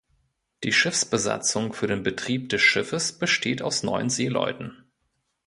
Die Schiffsbesatzung für den Betrieb des Schiffes besteht aus neun Seeleuten.